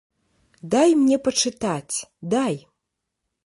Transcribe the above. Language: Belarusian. Дай мне пачытаць, дай!